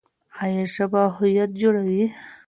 ایا ژبه هویت جوړوي؟